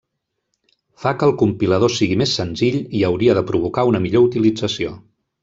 Fa que el compilador sigui més senzill i hauria de provocar una millor utilització.